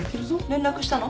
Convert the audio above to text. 連絡したの？